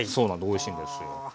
おいしいんですよ。